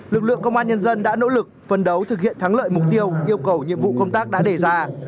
lực lượng công an nhân dân đã nỗ lực phân đấu thực hiện thắng lợi mục tiêu yêu cầu nhiệm vụ công tác đã đề ra